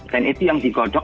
dan itu yang digodok